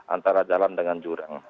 antara jalan dengan jurang